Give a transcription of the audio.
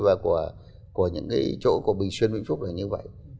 và của những cái chỗ của bình xuyên vĩnh phúc là như vậy